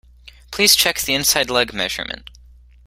Please check the inside leg measurement